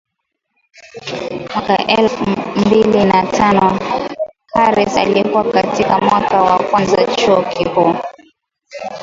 Mwaka elfu mbili na tano Harris alikuwa katika mwaka wa kwanza Chuo Kikuu